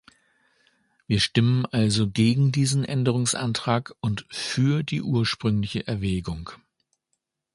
Wir stimmen also gegen diesen Änderungsantrag und für die ursprüngliche Erwägung.